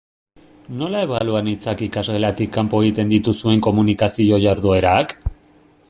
Nola ebalua nitzake ikasgelatik kanpo egiten dituzuen komunikazio jarduerak?